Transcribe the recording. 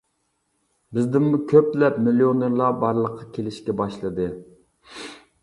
بىزدىنمۇ كۆپلەپ مىليونېرلار بارلىققا كېلىشكە باشلىدى.